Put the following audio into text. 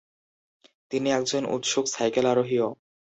তিনি একজন উৎসুক সাইকেল আরোহীও।